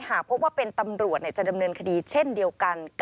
หากพบว่าเป็นตำรวจจะดำเนินคดีเช่นเดียวกัน